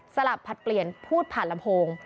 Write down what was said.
สลับผลัดเปลี่ยนพูดผ่านลำโพง